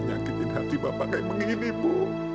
nyakitin hati bapak kayak begini bu